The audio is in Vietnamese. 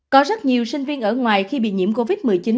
có rất nhiều sinh viên ở ngoài khi bị nhiễm covid một mươi chín